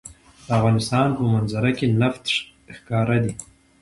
د افغانستان په منظره کې نفت ښکاره ده.